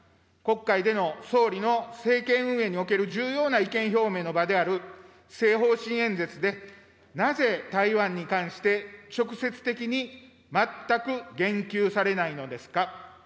国会での総理の政権運営における重要な意見表明の場である施政方針演説で、なぜ台湾に関して直接的に全く言及されないのですか。